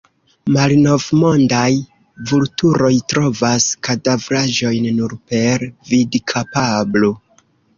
Malnovmondaj vulturoj trovas kadavraĵojn nur per vidkapablo.